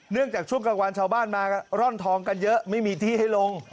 จากช่วงกลางวันชาวบ้านมาร่อนทองกันเยอะไม่มีที่ให้ลง